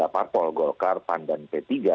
tiga partol golkar pan dan p tiga